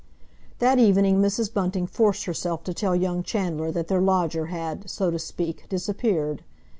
That evening Mrs. Bunting forced herself to tell young Chandler that their lodger had, so to speak, disappeared.